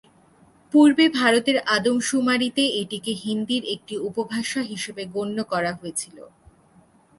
পূর্বে ভারতের আদমশুমারিতে এটিকে হিন্দির একটি উপভাষা হিসেবে গণ্য করা হয়েছিল।